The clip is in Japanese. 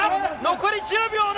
残り１０秒だ。